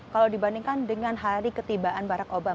kalau dibandingkan dengan hari ketibaan barack obama